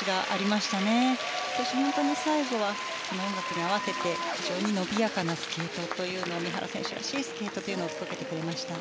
また最後は音楽に合わせて非常に伸びやかなスケート三原選手らしいスケートを届けてくれました。